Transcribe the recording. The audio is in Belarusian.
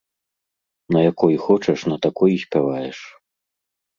На якой хочаш, на такой і спяваеш.